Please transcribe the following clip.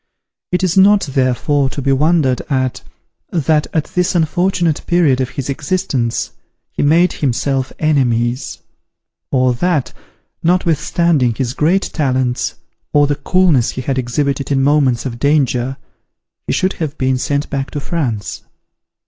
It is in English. It is not, therefore, to be wondered at, that at this unfortunate period of his existence, he made himself enemies; or that, notwithstanding his great talents, or the coolness he had exhibited in moments of danger, he should have been sent back to France.